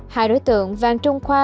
hai đối tượng vàng trung khoa